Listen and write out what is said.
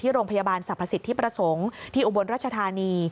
โรงพยาบาลสรรพสิทธิประสงค์ที่อุบลรัชธานี